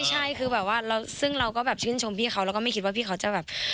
ใช่คือแบบว่าซึ่งเราก็แบบชื่นชมพี่เขาแล้วก็ไม่คิดว่าพี่เขาจะแบบ